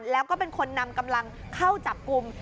แล้วก็เป็นคนนำกำลังเข้าจับกลุ่ม